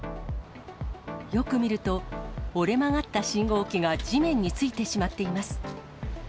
よく見ると、折れ曲がった信号機が地面についてしまっています。